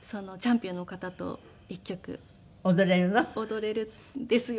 踊れるんですよ。